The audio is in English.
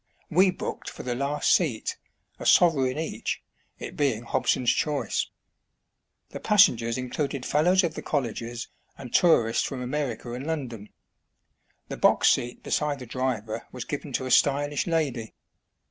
We booked for the last seat, a sovereign each, it being Hobson's choice. The passengers included fellows of the colleges, and tour ists from America and London. The box seat be side the driver was given to a stylish lady.